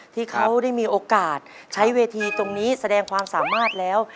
ที่เขาได้มีโอกาสใช้เวทีตรงนี้แสดงความสามารถแล้ว